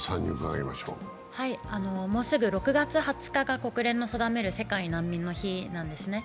もうすぐ６月２０日が国連が定める世界難民の日なんですね。